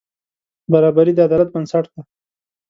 برابري د عدالت بنسټ دی.